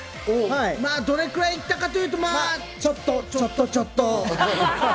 どれくらい行ったかというと、まぁ、ちょっと、ちょっとちょっと。